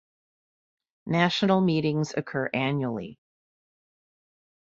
National meetings occur annually.